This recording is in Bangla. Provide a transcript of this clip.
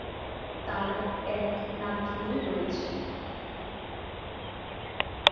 তার এক নাতনি রয়েছে।